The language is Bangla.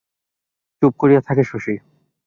চুপ করিয়া থাকে শশী।